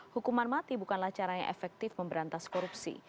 hukuman mati bukanlah caranya efektif memberantas korupsi